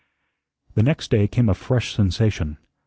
The next day came a fresh sensation.